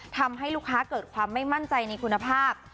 ทำให้ลูกค้าเกิดความไม่มั่นใจในคุณภาพ